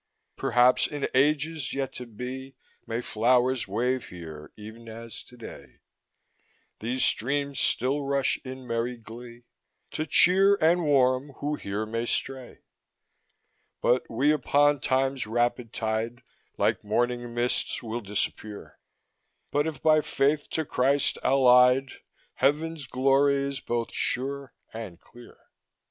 Perhaps in ages yet to be May flowers wave here e'en as today, These streams still rush in merry glee To cheer and charm who here may stray; But we upon Time's rapid tide Like morning mists will disappear; But if by faith to Christ allied, Heaven's glory is both sure and clear.